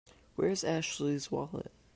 Where's Ashley's wallet?